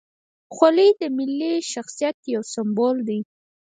خولۍ د ملي شخصیت یو سمبول دی.